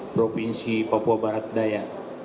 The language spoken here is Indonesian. provinsi papua barat daya